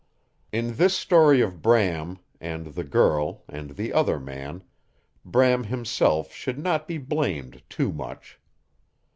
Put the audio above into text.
In this story of Bram, and the girl, and the other man, Bram himself should not be blamed too much.